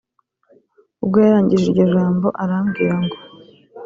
ubwo yarangije iryo jambo arambwira ngo